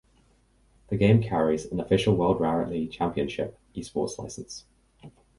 The game carries an official World Rally Championship esports licence.